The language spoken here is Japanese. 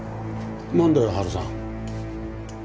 なんだよ春さん。